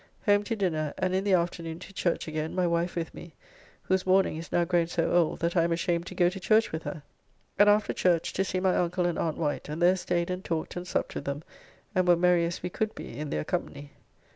Home to dinner, and in the afternoon to church again, my wife with me, whose mourning is now grown so old that I am ashamed to go to church with her. And after church to see my uncle and aunt Wight, and there staid and talked and supped with them, and were merry as we could be in their company.